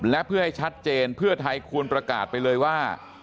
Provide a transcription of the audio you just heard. และเพื่อให้ชัดเจนเพื่อไทยควรประกาศไปเลยว่า